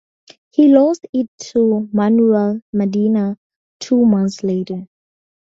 He lost it to Manuel Medina two months later.